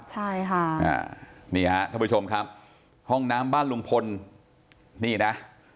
ใช่ค่ะนี่ฮะท่านผู้ชมครับห้องน้ำบ้านลุงพลนี่นะ